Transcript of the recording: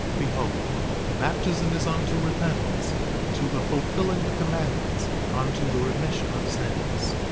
Behold, baptism is unto repentance to the fulfilling the commandments unto the remission of sins.